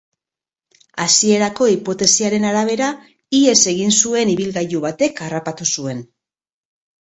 Hasierako hipotesiaren arabera, ihes egin zuen ibilgailu batek harrapatu zuen.